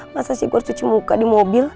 masa sih gue harus cuci muka di mobil